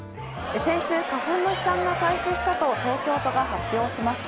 先週、花粉の飛散が開始したと東京都が発表しました。